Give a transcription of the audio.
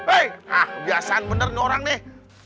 eh ah kebiasaan bener nih orang nih